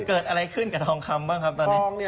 เกิดอะไรขึ้นกับทองคำบ้างครับตอนนี้